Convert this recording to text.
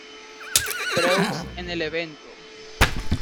Preux en el evento.